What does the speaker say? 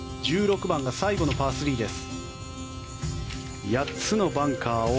１６番が最後のパー３です。